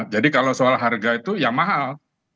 jadi kalau soal harga itu yang mahal